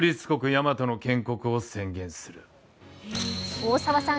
大沢さん